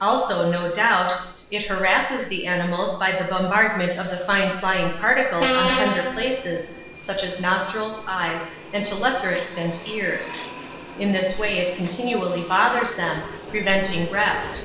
Also, no doubt, it harasses the animals by the bombardment of the fine flying particles on tender places such as nostrils, eyes, and to lesser extent ears. In this way it continually bothers them, preventing rest.